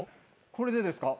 これでですか？